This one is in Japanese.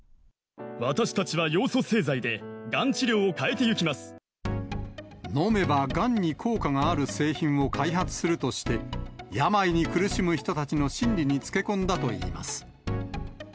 私たちはヨウ素製剤でがん治飲めばがんに効果がある製品を開発するとして、病に苦しむ人たちの心理につけ込んだといいます。